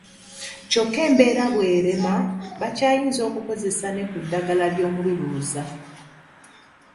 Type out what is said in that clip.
Kyokka embeera bw'erema bakyayinza okukozesa ne ku ddagala ly'omululuuza.